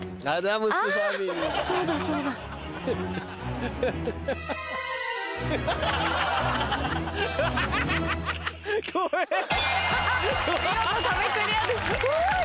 見事壁クリアです。